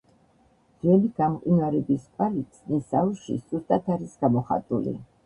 ძველი გამყინვარების კვალი ქსნის აუზში სუსტად არის გამოხატული.